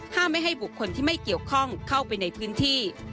ไม่ให้บุคคลที่ไม่เกี่ยวข้องเข้าไปในพื้นที่